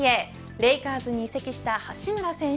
レイカーズに移籍した八村選手